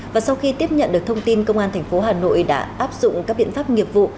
và sau khi tiếp nhận được thông tin công an tp hà nội đã áp dụng các biện pháp nghiệp vụ